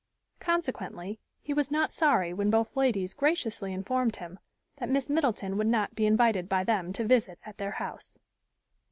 Consequently he was not sorry when both ladies graciously informed him that Miss Middleton would not be invited by them to visit at their house.